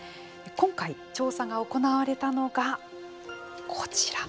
今回、調査が行われたのがこちら。